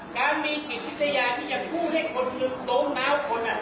การมีจิตพิสยะที่จะพูดให้คนโตของเขาน่ะ